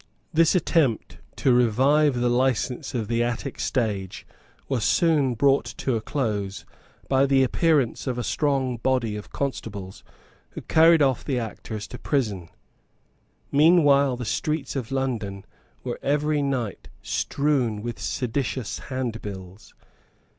This attempt to revive the license of the Attic Stage was soon brought to a close by the appearance of a strong body of constables who carried off the actors to prison. Meanwhile the streets of London were every night strewn with seditious handbills.